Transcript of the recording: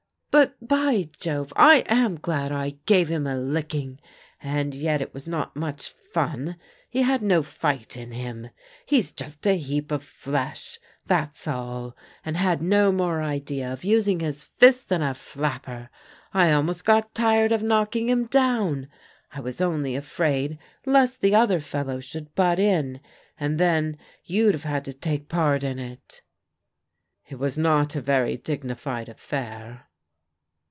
But, by Jove, I am glad I gave him a licking! And yet it was not much fun : he had no fight in him. He's just a heap of flesh, — that's all, and had no more idea of using his fists than a flapper. I got almost tired of knocking him down. I was only afraid lest the other fellow should butt in, and then you'd have had to take part in it." *' It was not a very dignified affair.'